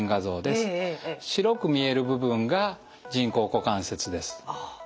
白く見える部分が人工股関節です。